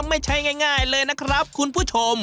ไม่ใช่ง่ายเลยนะครับคุณผู้ชม